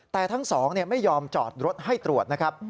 แต่ทั้งสองไม่ยอมจอดรถให้ตรวจนะครับ